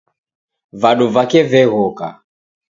Vadu vake vegh'oka